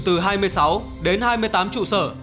từ hai mươi sáu đến hai mươi tám trụ sở